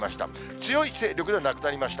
強い勢力ではなくなりました。